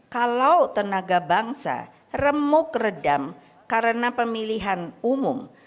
kalau tenaga bangsa remuk redam karena pemilihan umum